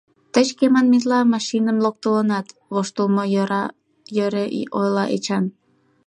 — Тый «шке манметла» машиным локтылынат, — воштылмо йӧре ойла Эчан.